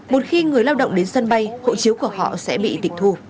một khi người lao động đến sân bay hộ chiếu của họ sẽ bị tịch thu